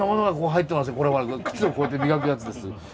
これは靴をこうやって磨くやつです。